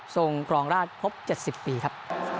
ทรงกรองราชพบ๗๐ปีครับ